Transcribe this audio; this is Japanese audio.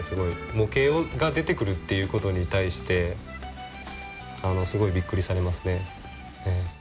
模型が出てくるっていうことに対してすごいびっくりされますね。